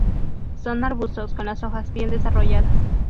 Son arbustos con las hojas bien desarrolladas.